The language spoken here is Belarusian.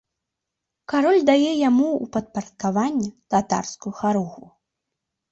Кароль дае яму ў падпарадкаванне татарскую харугву.